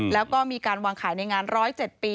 แล้วก็มีการวางขายในงาน๑๐๗ปี